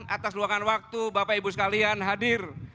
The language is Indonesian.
atas luangan waktu bapak ibu sekalian hadir